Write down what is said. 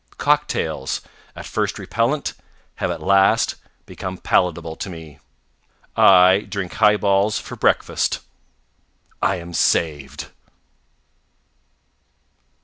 Cocktails, at first repellent, have at last become palatable to me. I drink highballs for breakfast. I am saved.